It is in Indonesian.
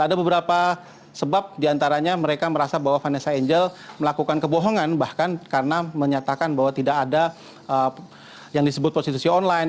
ada beberapa sebab diantaranya mereka merasa bahwa vanessa angel melakukan kebohongan bahkan karena menyatakan bahwa tidak ada yang disebut prostitusi online